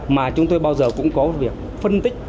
mà chúng tôi bao giờ cũng có việc phân tích